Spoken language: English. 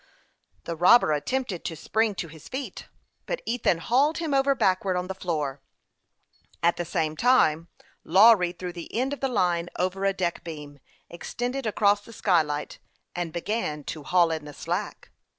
The robber attempted to spring to his feet, but Ethan hauled him over backwards on the floor. At the same time Lawry threw the end of the line over a deck beam, extended across the sky light, and began to " haul in the slack."